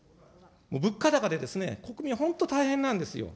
物価高で国民、本当に大変なんですよ。